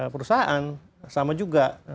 perusahaan sama juga